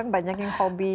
banyak yang hobi